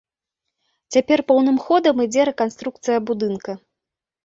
Цяпер поўным ходам ідзе рэканструкцыя будынка.